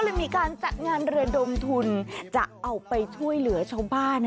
เลยมีการจัดงานเรือดมทุนจะเอาไปช่วยเหลือชาวบ้าน